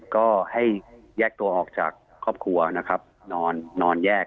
ก็ให้แยกตัวออกจากครอบครัวนะครับนอนนอนแยก